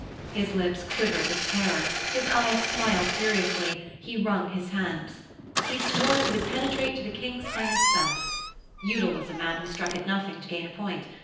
His lips quivered with terror, his eyes smiled furiously, he wrung his hands. He swore he would penetrate to the King's Highness' self. Udal was a man who stuck at nothing to gain a point.